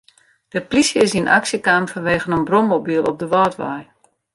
De plysje is yn aksje kaam fanwegen in brommobyl op de Wâldwei.